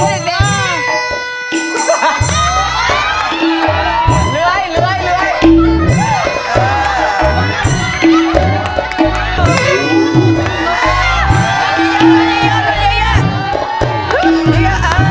แล้วแม่งงูอีกหนึ่งตัวเนี่ย